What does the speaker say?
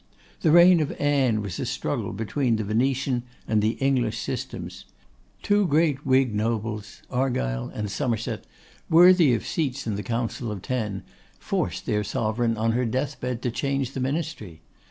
The reign of Anne was a struggle between the Venetian and the English systems. Two great Whig nobles, Argyle and Somerset, worthy of seats in the Council of Ten, forced their Sovereign on her deathbed to change the ministry.